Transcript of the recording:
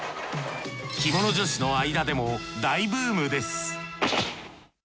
着物女子の間でも大ブームです